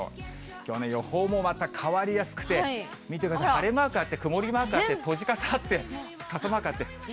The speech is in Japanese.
きょうの予報もまた変わりやすくて、見てください、晴れマークあって、曇りマークあって、閉じ傘あって、傘マークあって。